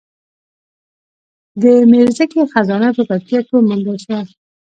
د میرزکې خزانه په پکتیا کې وموندل شوه